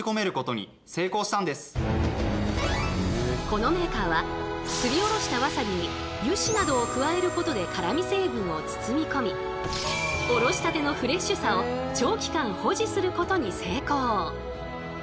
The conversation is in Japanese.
このメーカーはすりおろしたわさびに油脂などを加えることで辛み成分を包み込みおろしたてのフレッシュさを長期間保持することに成功！